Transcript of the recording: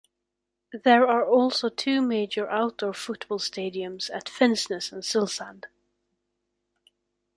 There are also two major outdoor football stadiums at Finnsnes and Silsand.